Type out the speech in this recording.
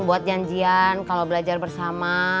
buat janjian kalau belajar bersama